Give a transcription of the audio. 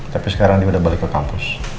tapi sekarang dia udah balik ke kampus